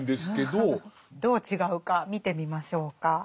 どう違うか見てみましょうか。